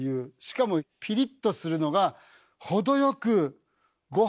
しかもピリッとするのがほどよくごはんと合って。